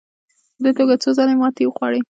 په دې توګه څو ځله ماتې وخوړې.